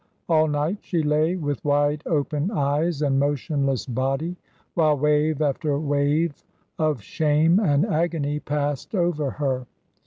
All night she lay with wide open eyes and motionless body, while wave after wave of shame and agony passed over her.